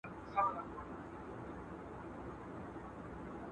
هغه د پټي د پولې واښه رېبي.